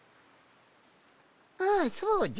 ああそうじゃ